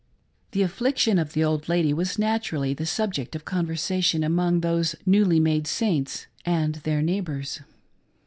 The affliction of the old lady was naturally the subject of conversation among these newly made Saints and their neigh bors.